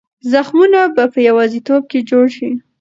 زخمونه به په یوازیتوب کې جوړ شي.